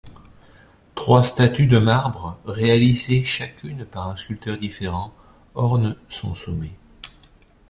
Trois statues de marbre, réalisées chacune par un sculpteur différent, ornent son sommet.